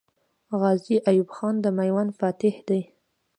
غازي ایوب خان د میوند فاتح دی.